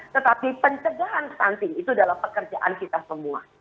tetapi pencegahan stunting itu adalah pekerjaan kita semua